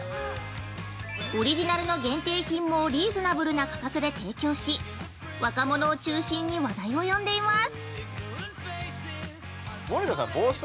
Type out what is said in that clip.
オリジナルの限定品もリーズナブルな価格で提供し若者を中心に話題を呼んでいます。